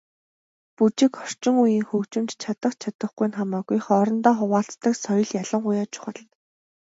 Бүжиг, орчин үеийн хөгжимд чадах чадахгүй нь хамаагүй хоорондоо хуваалцдаг соёл ялангуяа чухал.